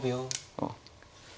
あっ。